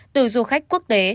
từ du khách quốc tế